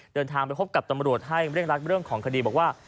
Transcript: เดินทางไปพบกับตำรวจให้เร่งรัดเรื่องของคดีบอกว่า